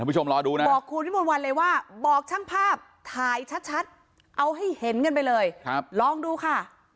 บอกครูนิมนต์วันเลยว่าบอกทั้งภาพถ่ายชัดเอาให้เห็นกันไปเลยลองดูค่ะ